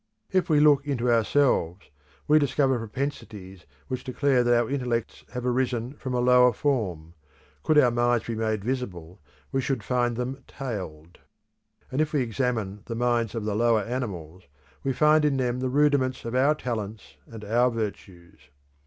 If we look into ourselves we discover propensities which declare that our intellects have arisen from a lower form; could our minds be made visible we should find them tailed. And if we examine the minds of the lower animals, we find in them the rudiments of our talents and our virtues.